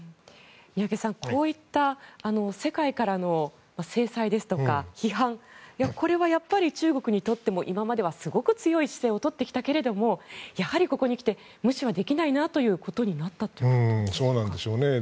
宮家さんこうした世界からの制裁ですとか批判、これはやっぱり中国にとっても今まではすごく強い姿勢をとってきたけどやはりここにきて無視はできないなということになったということでしょうか。